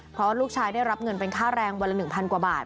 เพราะลูกชายได้รับเงินเป็นค่าแรงวันละ๑๐๐กว่าบาท